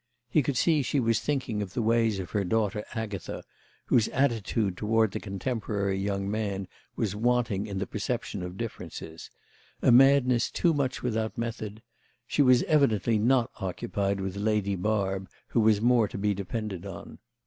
He could see she was thinking of the ways of her daughter Agatha, whose attitude toward the contemporary young man was wanting in the perception of differences—a madness too much without method; she was evidently not occupied with Lady Barb, who was more to be depended on.